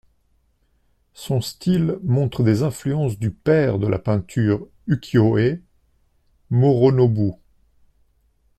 Son style montre des influences du père de la peinture ukiyo-e, Moronobu.